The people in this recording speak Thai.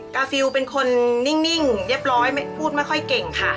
กาฟิลเป็นคนนิ่งเรียบร้อยพูดไม่ค่อยเก่งค่ะ